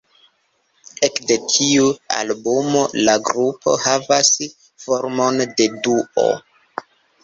Ekde tiu albumo la grupo havas formon de duo.